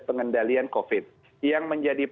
pengendalian covid yang menjadi